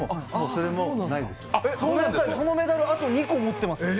そのメダルあと２個持ってます